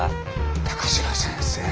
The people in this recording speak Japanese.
高城先生。